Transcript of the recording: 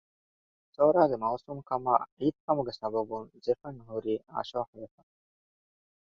ޒޯރާގެ މައުސޫމު ކަމާ ރީތި ކަމުގެ ސަބަބުން ޒެފަން ހުރީ އާޝޯޙު ވެފަ